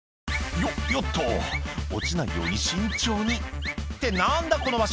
「よっよっと落ちないように慎重に」って何だこの場所！